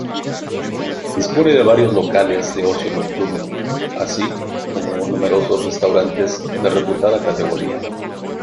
Dispone de varios locales de ocio nocturno así como numerosos restaurantes de reputada categoría.